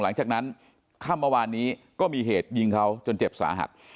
หลังจากนั้นค่ำเมื่อวานนี้ก็มีเหตุยิงเขาจนเจ็บสาหัส